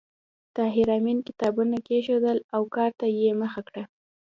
طاهر آمین کتابونه کېښودل او کار ته یې مخه کړه